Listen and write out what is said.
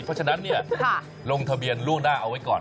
เพราะฉะนั้นลงทะเบียนล่วงหน้าเอาไว้ก่อน